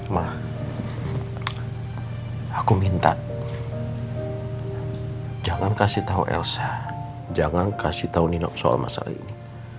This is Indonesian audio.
mbak aku minta jangan kasih tau elsa jangan kasih tau nino soal masalah ini